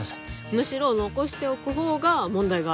むしろ残しておく方が問題があると？